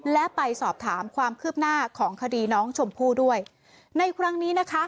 และไปสอบถามความคืบหน้าของคดีน้องชมพู่ด้วยในครั้งนี้นะคะ